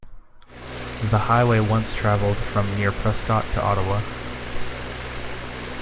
The highway once travelled from near Prescott to Ottawa.